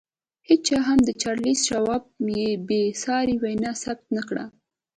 هېچا هم د چارلیس شواب بې ساري وینا ثبت نه کړه